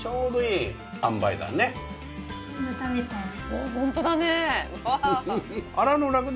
おっホントだね！